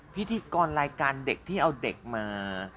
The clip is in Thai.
พิธีกรรายการเด็กที่เอาเด็กมา